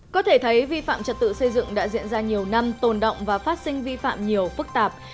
có thể thấy vi phạm trật tự xây dựng đã diễn ra nhiều năm tồn động và phát sinh vi phạm nhiều phức tạp